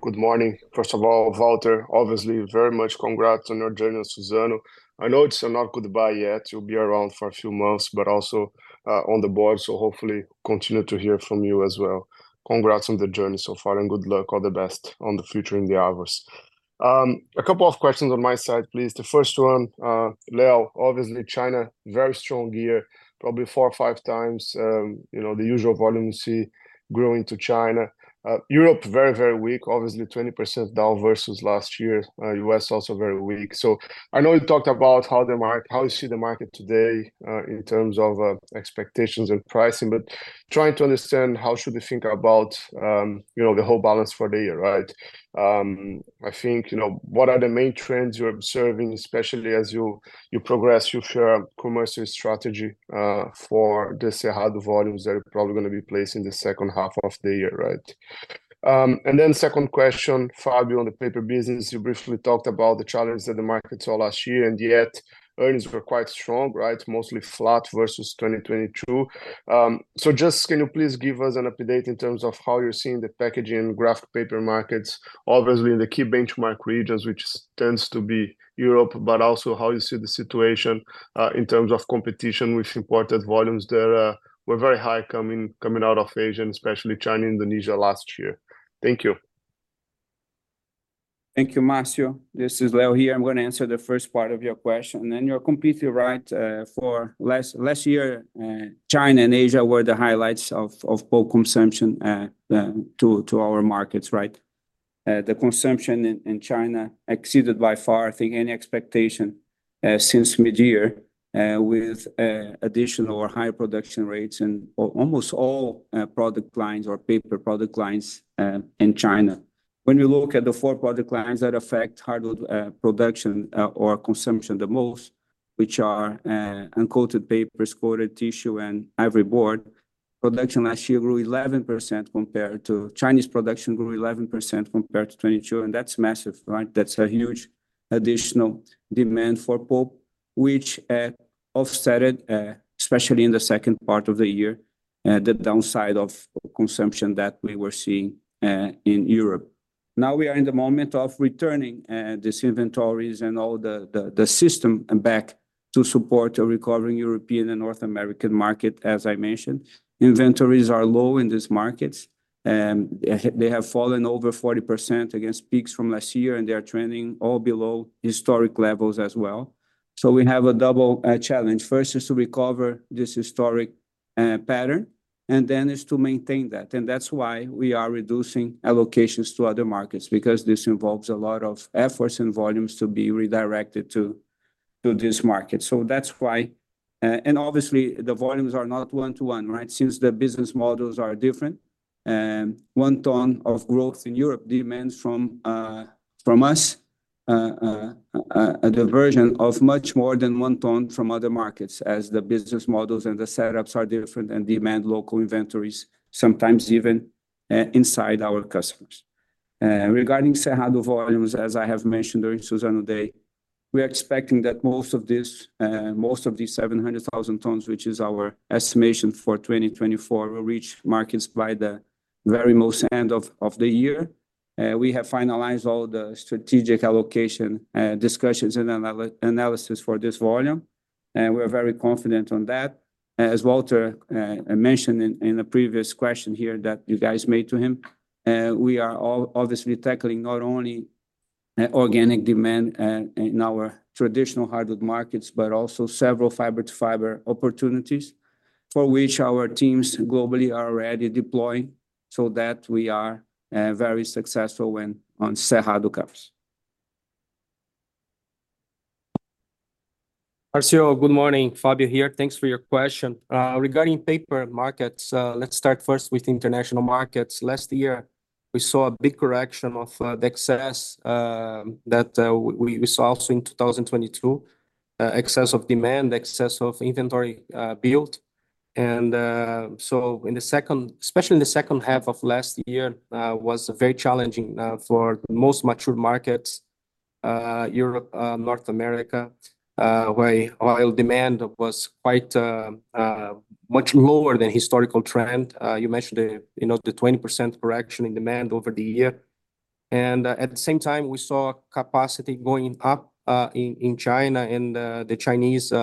[SPEAKER 10] Good morning. First of all, Walter, obviously, very much congrats on your journey with Suzano. I know it's not goodbye yet. You'll be around for a few months, but also on the board, so hopefully continue to hear from you as well. Congrats on the journey so far and good luck. All the best in the future endeavors. A couple of questions on my side, please. The first one, Leo, obviously, China, very strong year, probably four or five times the usual volume you see going to China. Europe, very, very weak, obviously, 20% down versus last year. U.S. also very weak. So I know you talked about how you see the market today in terms of expectations and pricing, but trying to understand how should we think about the whole balance for the year, right? I think what are the main trends you're observing, especially as you progress your commercial strategy for the Cerrado volumes that are probably going to be placed in the second half of the year, right? And then second question, Fabio, on the paper business, you briefly talked about the challenges that the market saw last year, and yet earnings were quite strong, right? Mostly flat versus 2022. So just can you please give us an update in terms of how you're seeing the packaging and graphic paper markets, obviously, in the key benchmark regions, which tends to be Europe, but also how you see the situation in terms of competition with imported volumes that were very high coming out of Asia, and especially China and Indonesia last year. Thank you. Thank you, Márcio. This is Leo here. I'm going to answer the first part of your question. And you're completely right. Last year, China and Asia were the highlights of pulp consumption to our markets, right? The consumption in China exceeded by far, I think, any expectation since midyear with additional or higher production rates and almost all product lines or paper product lines in China. When we look at the four product lines that affect hardwood production or consumption the most, which are uncoated papers, coated tissue, and ivory board, production last year grew 11% compared to Chinese production grew 11% compared to 2022, and that's massive, right? That's a huge additional demand for pulp, which offset, especially in the second part of the year, the downside of consumption that we were seeing in Europe. Now we are in the moment of returning these inventories and all the system back to support a recovering European and North American market, as I mentioned. Inventories are low in these markets. They have fallen over 40% against peaks from last year, and they are trending all below historic levels as well. So we have a double challenge. First is to recover this historic pattern, and then is to maintain that. And that's why we are reducing allocations to other markets, because this involves a lot of efforts and volumes to be redirected to these markets. So that's why. And obviously, the volumes are not one-to-one, right? Since the business models are different. One ton of growth in Europe demands from us a diversion of much more than one ton from other markets as the business models and the setups are different and demand local inventories, sometimes even inside our customers. Regarding Cerrado volumes, as I have mentioned during Suzano Day, we are expecting that most of these 700,000 tons, which is our estimation for 2024, will reach markets by the very most end of the year. We have finalized all the strategic allocation discussions and analysis for this volume. We're very confident on that. As Walter mentioned in a previous question here that you guys made to him, we are obviously tackling not only organic demand in our traditional hardwood markets, but also several fiber-to-fiber opportunities for which our teams globally are already deploying so that we are very successful on Cerrado pulp.
[SPEAKER 3] Márcio, good morning. Fabio here. Thanks for your question. Regarding paper markets, let's start first with international markets. Last year, we saw a big correction of the excess that we saw also in 2022. Excess of demand, excess of inventory built. And so in the second, especially in the second half of last year, was very challenging for most mature markets, Europe, North America, where oil demand was quite much lower than historical trend. You mentioned the 20% correction in demand over the year. And at the same time, we saw capacity going up in China and the Chinese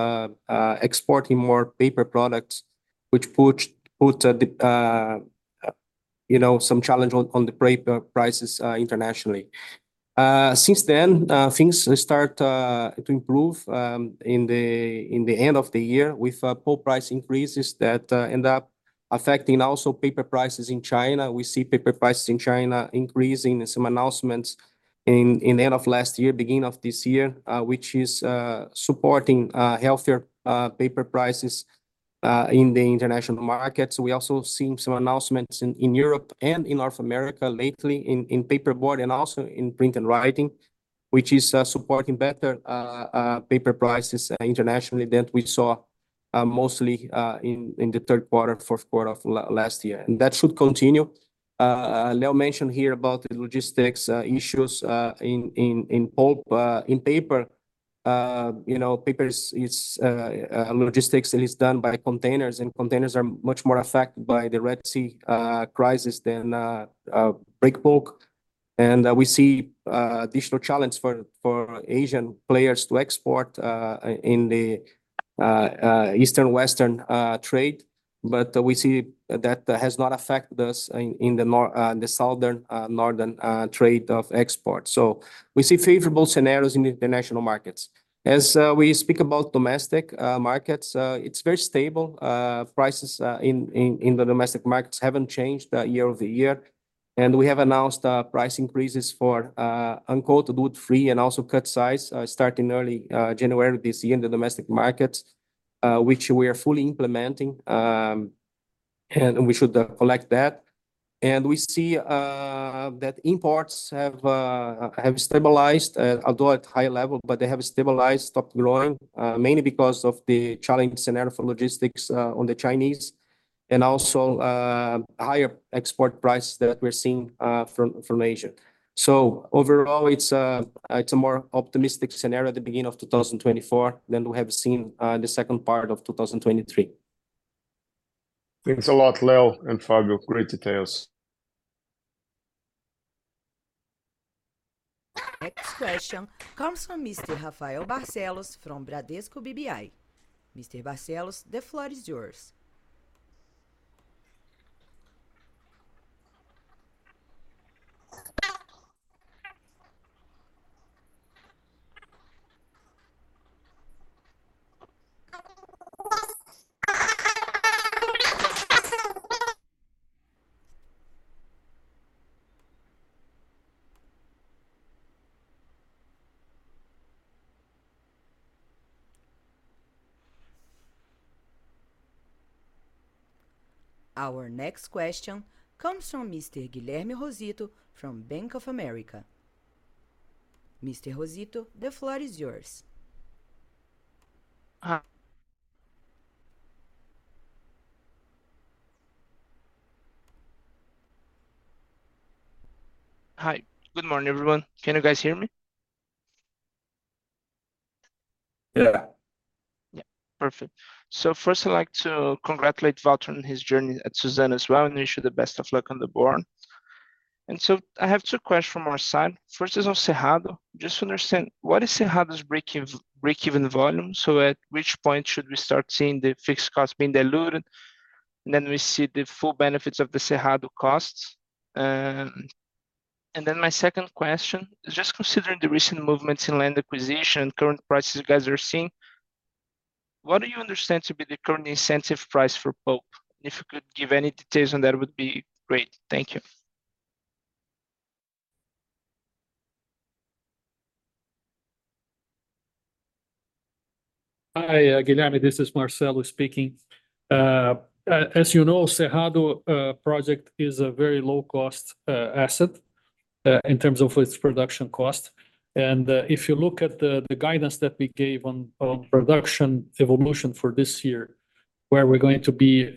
[SPEAKER 3] exporting more paper products, which put some challenge on the paper prices internationally. Since then, things start to improve in the end of the year with pulp price increases that end up affecting also paper prices in China. We see paper prices in China increasing in some announcements in the end of last year, beginning of this year, which is supporting healthier paper prices in the international markets. We also see some announcements in Europe and in North America lately in paperboard and also in print and writing, which is supporting better paper prices internationally than we saw mostly in the third quarter, fourth quarter of last year. That should continue. Leo mentioned here about the logistics issues in paper. Paper logistics, it is done by containers, and containers are much more affected by the Red Sea crisis than bulk pulp. We see additional challenges for Asian players to export in the east-west trade. We see that has not affected us in the south-north trade of export. We see favorable scenarios in the international markets. As we speak about domestic markets, it's very stable. Prices in the domestic markets haven't changed year-over-year. We have announced price increases for uncoated wood-free and also cut-size starting early January this year in the domestic markets, which we are fully implementing. We should collect that. We see that imports have stabilized, although at high level, but they have stabilized, stopped growing, mainly because of the challenged scenario for logistics on the Chinese and also higher export prices that we're seeing from Asia. So overall, it's a more optimistic scenario at the beginning of 2024 than we have seen in the second part of 2023. Thanks a lot, Leo and Fabio. Great details.
[SPEAKER 1] Next question comes from Mr. Rafael Barcelos from Bradesco BBI. Mr. Barcelos, the floor is yours. Our next question comes from Mr. Guilherme Rosito from Bank of America. Mr. Rosito, the floor is yours.
[SPEAKER 11] Hi. Good morning, everyone. Can you guys hear me?
[SPEAKER 2] Yeah.
[SPEAKER 11] Yeah. Perfect. So first, I'd like to congratulate Walter on his journey at Suzano as well and wish you the best of luck on the board. So I have two questions from our side. First is on Cerrado. Just to understand, what is Cerrado's break-even volume? So at which point should we start seeing the fixed cost being diluted and then we see the full benefits of the Cerrado costs? My second question is just considering the recent movements in land acquisition and current prices you guys are seeing, what do you understand to be the current incentive price for pulp? And if you could give any details on that, it would be great. Thank you.
[SPEAKER 10] Hi, Guilherme. This is Marcelo speaking. As you know, the Cerrado Project is a very low-cost asset in terms of its production cost. And if you look at the guidance that we gave on production evolution for this year, where we're going to be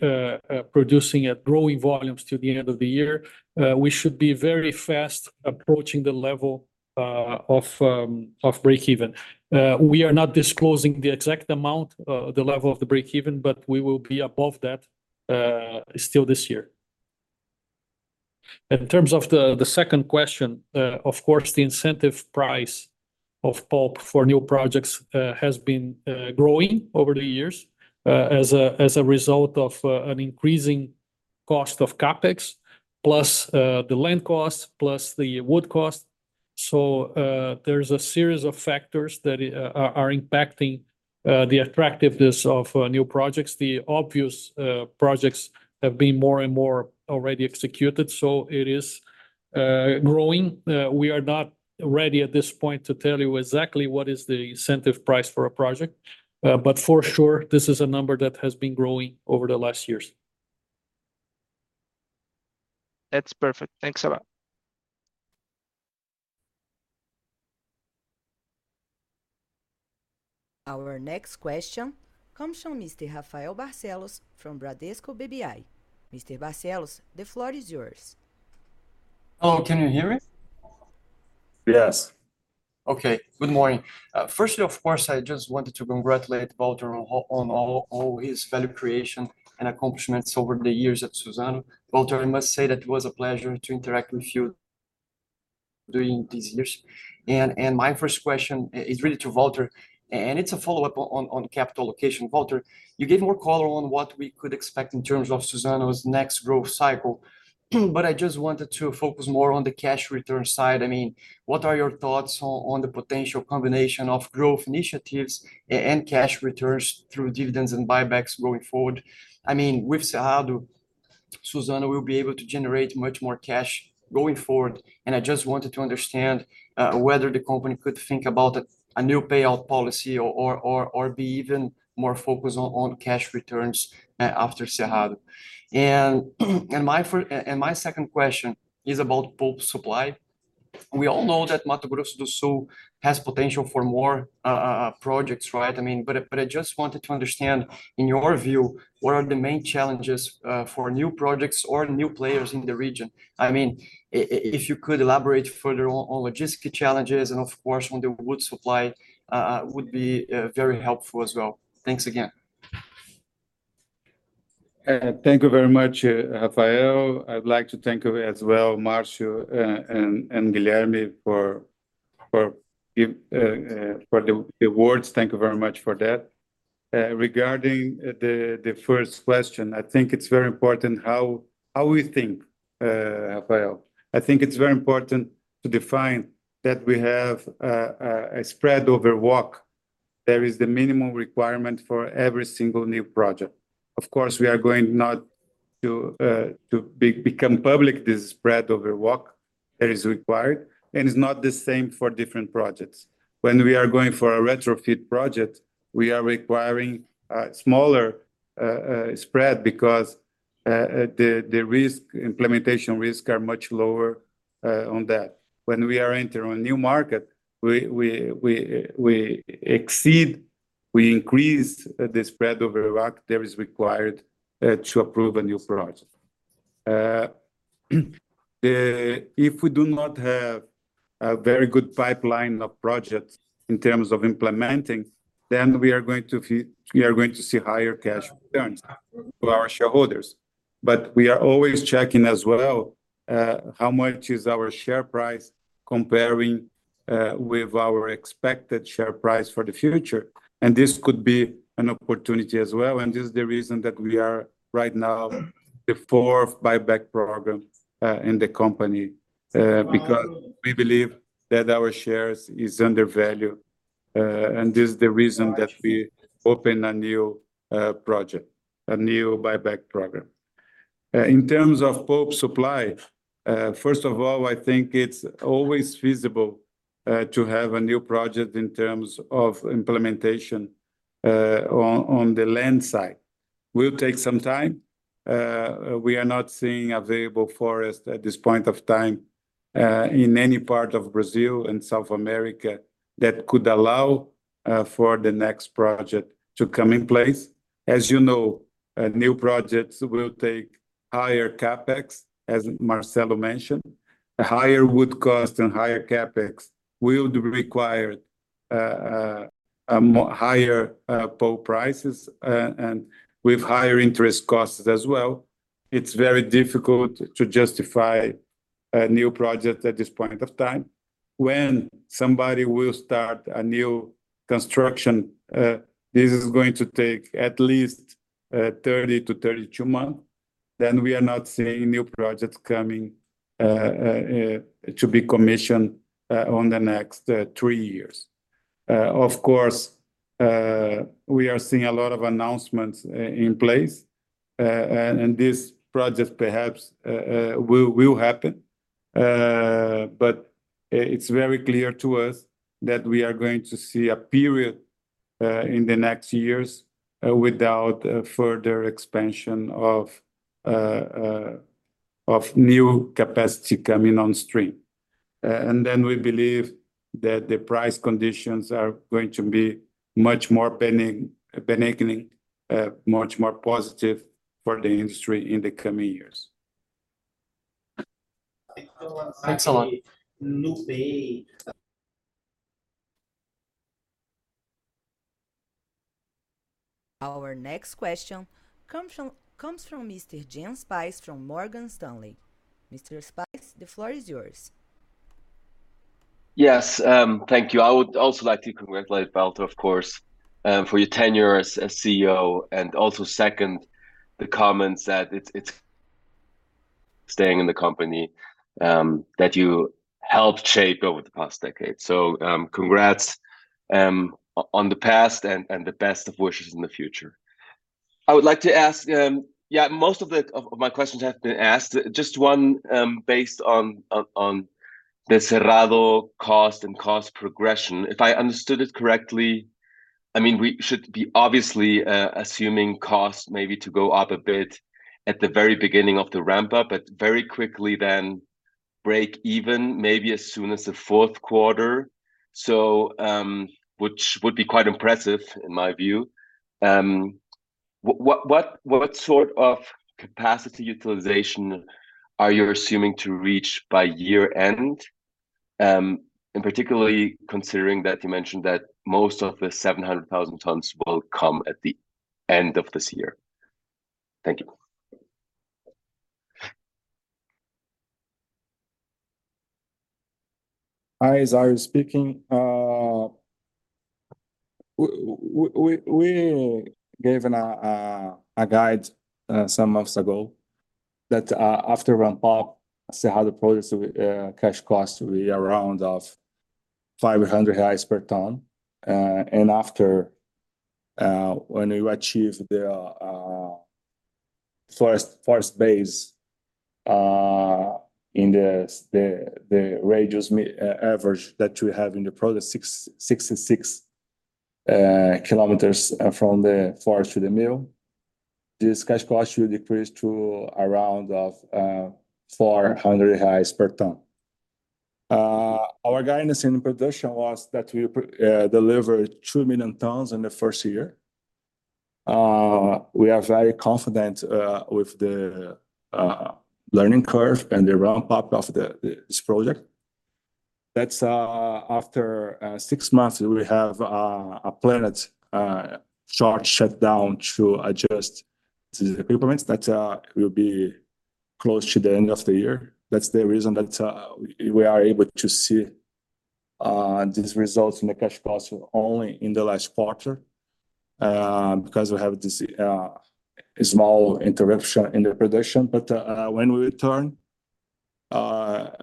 [SPEAKER 10] producing at growing volumes till the end of the year, we should be very fast approaching the level of break-even. We are not disclosing the exact amount, the level of the break-even, but we will be above that still this year. In terms of the second question, of course, the incentive price of pulp for new projects has been growing over the years as a result of an increasing cost of CapEx, plus the land cost, plus the wood cost. So there's a series of factors that are impacting the attractiveness of new projects. The obvious projects have been more and more already executed, so it is growing. We are not ready at this point to tell you exactly what is the incentive price for a project. But for sure, this is a number that has been growing over the last years.
[SPEAKER 11] That's perfect. Thanks a lot.
[SPEAKER 1] Our next question comes from Mr. Rafael Barcelos from Bradesco BBI. Mr. Barcelos, the floor is yours.
[SPEAKER 12] Hello. Can you hear me? Yes. Okay. Good morning. Firstly, of course, I just wanted to congratulate Walter on all his value creation and accomplishments over the years at Suzano. Walter, I must say that it was a pleasure to interact with you during these years. My first question is really to Walter, and it's a follow-up on capital allocation. Walter, you gave more color on what we could expect in terms of Suzano's next growth cycle, but I just wanted to focus more on the cash return side. I mean, what are your thoughts on the potential combination of growth initiatives and cash returns through dividends and buybacks going forward? I mean, with Cerrado, Suzano will be able to generate much more cash going forward, and I just wanted to understand whether the company could think about a new payout policy or be even more focused on cash returns after Cerrado. My second question is about pulp supply. We all know that Mato Grosso do Sul has potential for more projects, right? I mean, but I just wanted to understand, in your view, what are the main challenges for new projects or new players in the region? I mean, if you could elaborate further on logistic challenges, and of course, on the wood supply would be very helpful as well. Thanks again.
[SPEAKER 2] Thank you very much, Rafael. I'd like to thank you as well, Márcio and Guilherme, for the words. Thank you very much for that. Regarding the first question, I think it's very important how we think, Rafael. I think it's very important to define that we have a spread over WACC. There is the minimum requirement for every single new project. Of course, we are going not to become public this spread over WACC that is required, and it's not the same for different projects. When we are going for a retrofit project, we are requiring a smaller spread because the implementation risks are much lower on that. When we are entering a new market, we exceed, we increase the spread over WACC that is required to approve a new project. If we do not have a very good pipeline of projects in terms of implementing, then we are going to see higher cash returns to our shareholders. But we are always checking as well how much is our share price comparing with our expected share price for the future. And this could be an opportunity as well. And this is the reason that we are right now the fourth buyback program in the company because we believe that our shares are undervalued. And this is the reason that we opened a new project, a new buyback program. In terms of pulp supply, first of all, I think it's always feasible to have a new project in terms of implementation on the land side. It will take some time. We are not seeing available forest at this point of time in any part of Brazil and South America that could allow for the next project to come in place. As you know, new projects will take higher CapEx, as Marcelo mentioned. Higher wood cost and higher CapEx will require higher pulp prices and with higher interest costs as well. It's very difficult to justify a new project at this point of time. When somebody will start a new construction, this is going to take at least 30-32 months. Then we are not seeing new projects coming to be commissioned on the next three years. Of course, we are seeing a lot of announcements in place. And this project perhaps will happen. But it's very clear to us that we are going to see a period in the next years without further expansion of new capacity coming on stream. And then we believe that the price conditions are going to be much more benign, much more positive for the industry in the coming years.
[SPEAKER 1] Thanks a lot. Our next question comes from Mr. Jens Spiess from Morgan Stanley. Mr. Spiess, the floor is yours.
[SPEAKER 13] Yes. Thank you. I would also like to congratulate Walter, of course, for your tenure as CEO and also second the comments that it's staying in the company that you helped shape over the past decade. So congrats on the past and the best of wishes in the future. I would like to ask, yeah, most of my questions have been asked. Just one based on the Cerrado cost and cost progression. If I understood it correctly, I mean, we should be obviously assuming cost maybe to go up a bit at the very beginning of the ramp-up, but very quickly then break even, maybe as soon as the fourth quarter, which would be quite impressive in my view. What sort of capacity utilization are you assuming to reach by year-end, particularly considering that you mentioned that most of the 700,000 tons will come at the end of this year? Thank you.
[SPEAKER 5] Hi, Zahir speaking. We gave a guide some months ago that after ramp-up, Cerrado Project cash cost will be around 500 reais per ton. And when you achieve the forest base in the radius average that you have in the project, 66 km from the forest to the mill, this cash cost will decrease to around 400 reais per ton. Our guidance in production was that we delivered 2 million tons in the first year. We are very confident with the learning curve and the ramp-up of this project. That's after six months, we have a planned shutdown to adjust these equipment that will be close to the end of the year. That's the reason that we are able to see these results in the cash cost only in the last quarter because we have this small interruption in the production. But when we return,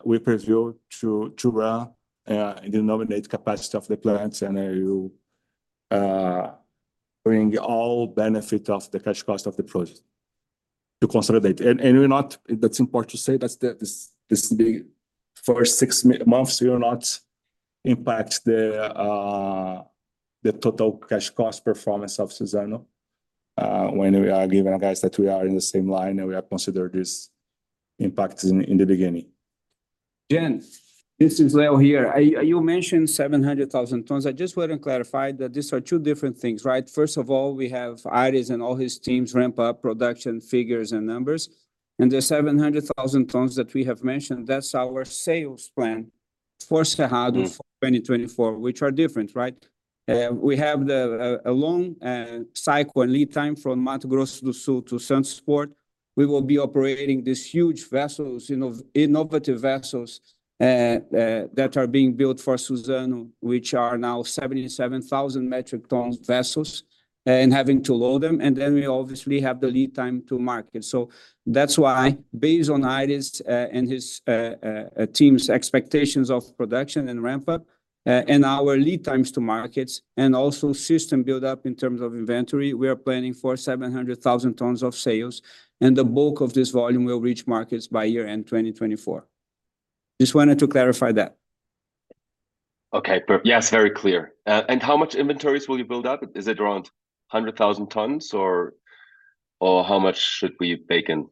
[SPEAKER 5] we plan to run and demonstrate capacity of the plants and bring all benefit of the cash cost of the project to consolidate. That's important to say. That's the first six months. We will not impact the total cash cost performance of Suzano when we are giving a guide that we are in the same line and we are considering these impacts in the beginning.
[SPEAKER 4] Jen, this is Leo here. You mentioned 700,000 tons. I just want to clarify that these are two different things, right? First of all, we have Iris and all his teams ramp up production figures and numbers. And the 700,000 tons that we have mentioned, that's our sales plan for Cerrado for 2024, which are different, right? We have a long cycle and lead time from Mato Grosso do Sul to Santos port. We will be operating these huge vessels, innovative vessels that are being built for Suzano, which are now 77,000 metric tons vessels and having to load them. And then we obviously have the lead time to market. So that's why, based on Iris and his team's expectations of production and ramp-up and our lead times to markets and also system buildup in terms of inventory, we are planning for 700,000 tons of sales. The bulk of this volume will reach markets by year-end 2024. Just wanted to clarify that.
[SPEAKER 13] Okay. Yes, very clear. How much inventories will you build up? Is it around 100,000 tons or how much should we bake in?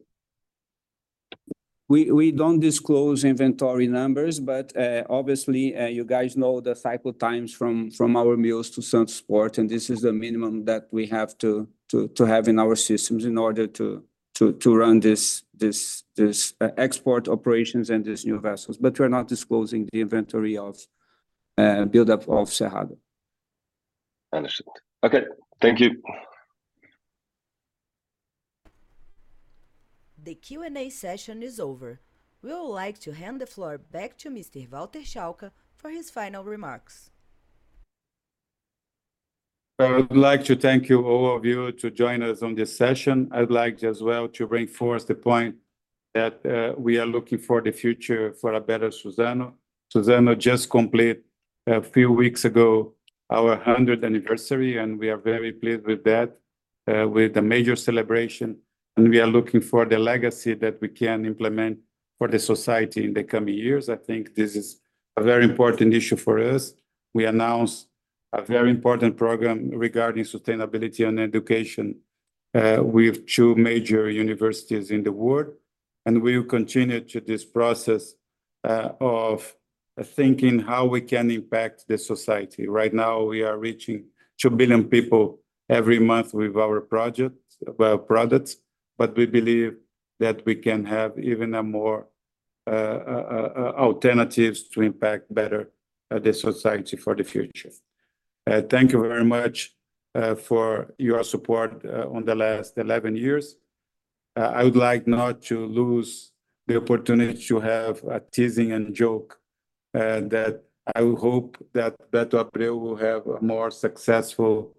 [SPEAKER 4] We don't disclose inventory numbers, but obviously, you guys know the cycle times from our mills to Santos port. This is the minimum that we have to have in our systems in order to run these export operations and these new vessels. We are not disclosing the inventory buildup of Cerrado.
[SPEAKER 13] Understood. Okay. Thank you.
[SPEAKER 1] The Q&A session is over. We would like to hand the floor back to Mr. Walter Schalka for his final remarks.
[SPEAKER 2] I would like to thank you all of you to join us on this session. I'd like as well to reinforce the point that we are looking for the future for a better Suzano. Suzano just completed a few weeks ago our 100th anniversary, and we are very pleased with that, with the major celebration. We are looking for the legacy that we can implement for the society in the coming years. I think this is a very important issue for us. We announced a very important program regarding sustainability and education with two major universities in the world. We will continue this process of thinking how we can impact the society. Right now, we are reaching 2 billion people every month with our projects, but we believe that we can have even more alternatives to impact better the society for the future. Thank you very much for your support on the last 11 years. I would like not to lose the opportunity to have a teasing and joke that I hope that Beto Abreu will have a more successful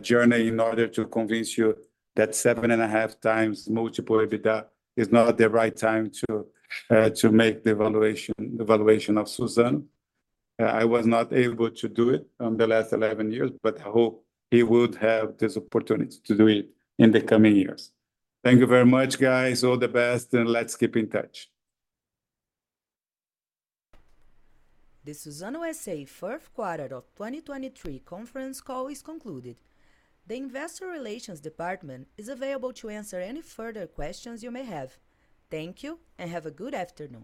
[SPEAKER 2] journey in order to convince you that 7.5x EBITDA multiple is not the right time to make the evaluation of Suzano. I was not able to do it on the last 11 years, but I hope he would have this opportunity to do it in the coming years. Thank you very much, guys. All the best, and let's keep in touch.
[SPEAKER 1] The Suzano S.A. fourth quarter of 2023 conference call is concluded. The investor relations department is available to answer any further questions you may have. Thank you and have a good afternoon.